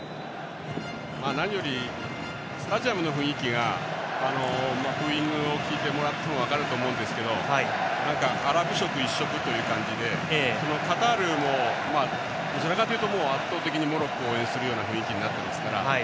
何よりスタジアムの雰囲気がブーイングを聞いてもらっても分かると思うんですけどアラブ色、一色という感じでカタールもどちらかというと圧倒的にモロッコを応援する感じになっていますから。